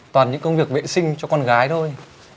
toàn những công việc vệ sinh cho con gái thôi